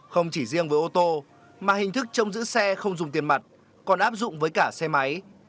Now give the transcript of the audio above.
không chỉ riêng với ô tô mà hình thức trong giữ xe không dùng tiền mặt còn áp dụng với cả xe máy